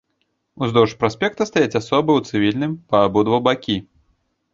Уздоўж праспекта стаяць асобы ў цывільным, па абодва бакі.